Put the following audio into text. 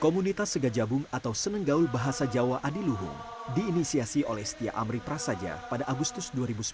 komunitas segajabung atau senenggaul bahasa jawa adiluhung diinisiasi oleh setia amri prasaja pada agustus dua ribu sepuluh